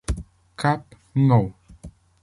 Cape No.